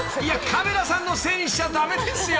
カメラさんのせいにしちゃ駄目ですよ］